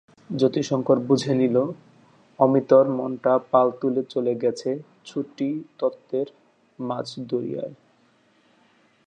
যতিশংকর বুঝে নিলে, অমিতর মনটা পাল তুলে চলে গেছে ছুটিতত্ত্বের মাঝদরিয়ায়।